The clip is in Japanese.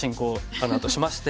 あのあとしまして。